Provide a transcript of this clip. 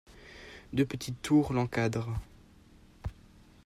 Deux petites tours l'encadrent.